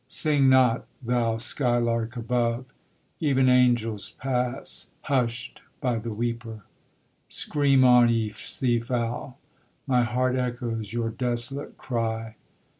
Sing not, thou sky lark above! even angels pass hushed by the weeper. Scream on, ye sea fowl! my heart echoes your desolate cry.